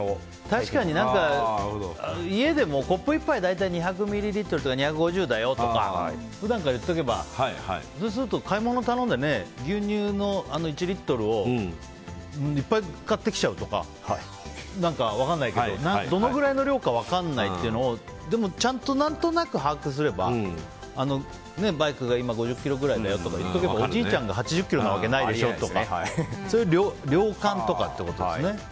確かに家でもコップ１杯大体２００ミリリットルとか２５０だよとか普段から言っておけばそうすると買い物を頼んで牛乳の１リットルをいっぱい買ってきちゃうとか分かんないけどどのぐらいの量か分からないというのをちゃんと何となく把握すればバイクが今５０キロぐらいだよって言っておけばおじいちゃんが８０キロなわけないでしょとかそういう量感とかってことですね。